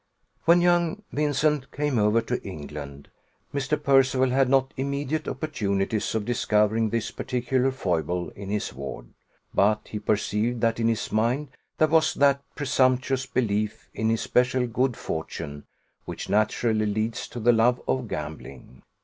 When young Vincent came over to England, Mr. Percival had not immediate opportunities of discovering this particular foible in his ward; but he perceived that in his mind there was that presumptuous belief in his special good fortune which naturally leads to the love of gambling.